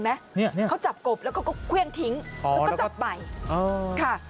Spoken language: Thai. คือเห็นไหมเขาจับกบแล้วก็เครื่องทิ้งแล้วก็จับไป